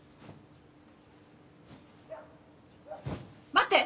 待って！